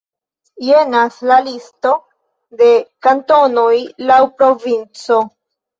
Jenas la listo de kantonoj laŭ provinco.